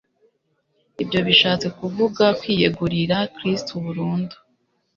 Ibyo bishatse kuvuga kwiyegurira Kristo burundu.